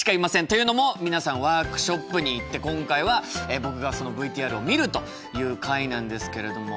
というのも皆さんワークショップに行って今回は僕がそのＶＴＲを見るという回なんですけれども。